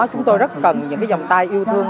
chúng tôi rất cần những dòng tay yêu thương